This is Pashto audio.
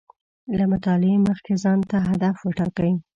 له مطالعې مخکې ځان ته هدف و ټاکئ